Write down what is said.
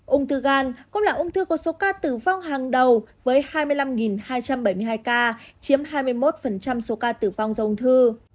ung thư gan cũng là ung thư có số ca tử vong hàng đầu với hai mươi năm hai trăm bảy mươi hai ca chiếm hai mươi một số ca tử vong do ung thư